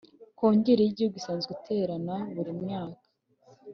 Kongere y Igihuigu isazwe iterana buri myaka